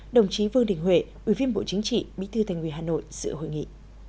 đồng chí vương đình huệ ubnd bí thư thanh uy hà nội sự hội nghị